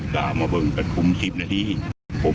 เขานั่นล่ะเบาก็อดายสิค่ะ